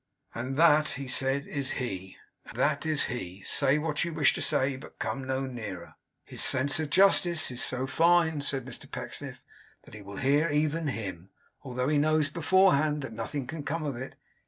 'And that,' he said, 'is he. Ah! that is he! Say what you wish to say. But come no nearer,' 'His sense of justice is so fine,' said Mr Pecksniff, 'that he will hear even him, although he knows beforehand that nothing can come of it.